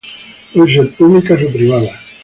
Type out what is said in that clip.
Pueden ser públicas o privadas.